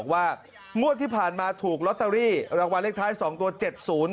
ว่างวดที่ผ่านมาถูกลอตเตอรี่รางวัลเลขท้ายสองตัวเจ็ดศูนย์